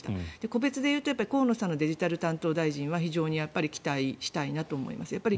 個別で言うと河野さんのデジタル担当大臣は非常に期待したいなと思います。